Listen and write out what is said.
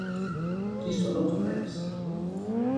Qui són els mags?